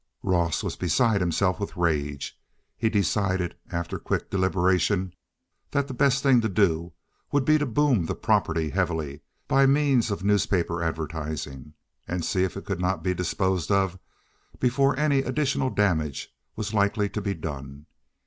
Ross was beside himself with rage. He decided, after quick deliberation, that the best thing to do would be to boom the property heavily, by means of newspaper advertising, and see if it could not be disposed of before any additional damage was likely to be done to it.